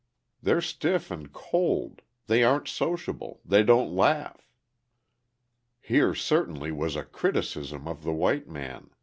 They're stiff and cold. They aren't sociable. They don't laugh." Here certainly was a criticism of the white man!